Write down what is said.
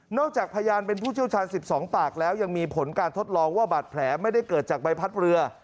จากพยานเป็นผู้เชี่ยวชาญ๑๒ปากแล้วยังมีผลการทดลองว่าบาดแผลไม่ได้เกิดจากใบพัดเรือ